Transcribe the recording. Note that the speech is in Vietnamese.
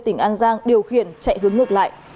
tỉnh an giang điều khiển chạy hướng ngược lại